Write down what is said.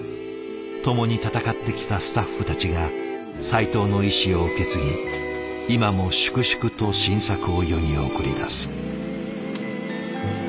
共に戦ってきたスタッフたちがさいとうの遺志を受け継ぎ今も粛々と新作を世に送り出す。